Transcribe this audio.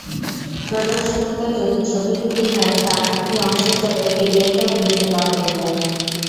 প্রদর্শনীতে যদি ছবি বিক্রি হয়, তার একটি অংশ যাবে পিডিএফের বৃত্তি তহবিলে।